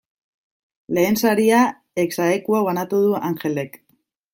Lehen saria ex aequo banatu du Angelek.